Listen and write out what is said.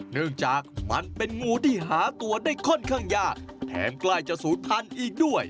เนื่องจากมันเป็นงูที่หาตัวได้ค่อนข้างยากแถมใกล้จะศูนย์พันธุ์อีกด้วย